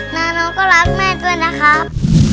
นานูก็รักแม่ตัวนะครับ